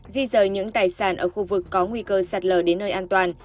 di rời những tài sản ở khu vực có nguy cơ sạt lở đến nơi an toàn